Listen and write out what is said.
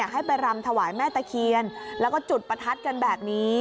ให้ไปรำถวายแม่ตะเคียนแล้วก็จุดประทัดกันแบบนี้